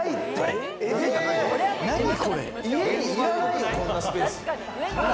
家にいらないよ、こんなスペース。